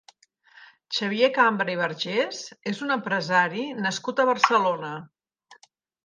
Xavier Cambra i Vergés és un empresari nascut a Barcelona.